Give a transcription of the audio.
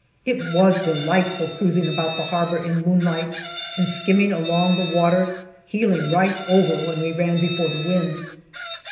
It was delightful cruising about the harbour in moon light and skimming along the water, heeling right over when we ran before the wind.